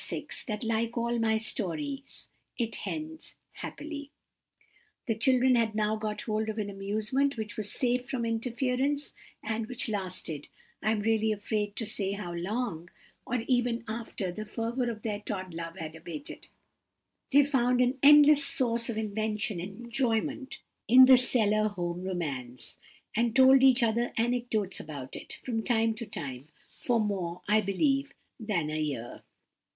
6, that, like all my stories, it ends happily. The children had now got hold of an amusement which was safe from interference, and which lasted—I am really afraid to say how long; for even after the fervour of their Tod love had abated, they found an endless source of invention and enjoyment in the cellar home romance, and told each other anecdotes about it, from time to time, for more, I believe, than a year."